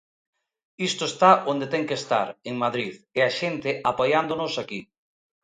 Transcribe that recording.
Isto está onde ten que estar, en Madrid, e a xente apoiándonos aquí.